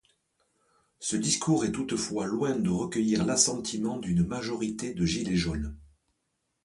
Ce discours est toutefois loin de recueillir l'assentiment d'une majorité de Gilets jaunes.